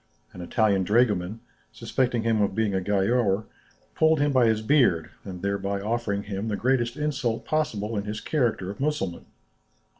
An Italian dragoman, suspecting him of being a giaour, pulled him by his beard, thereby offering him the greatest insult possible in his character of Mussulman.